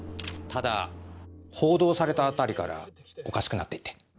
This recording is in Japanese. ただ報道されたあたりからおかしくなって行って。